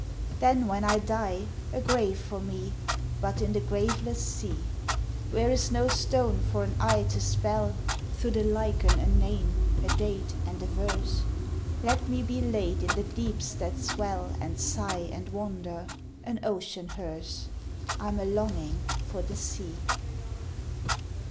Then when I die, a grave for me But in the graveless sea! Where is no stone for an eye to spell Thro' the lichen a name, a date and a verse. Let me be laid in the deeps that swell And sigh and wander an ocean hearse! (I'm a longing for the sea!)